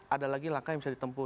ada lagi langkah yang bisa ditempuh